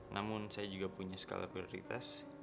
namun saya juga punya skala prioritas